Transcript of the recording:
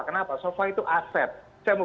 kenapa sofa itu aset saya mau